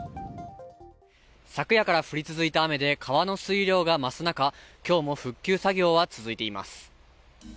昨夜から降り続いた雨で川の水量が増す中、今日も復旧作業は続いています。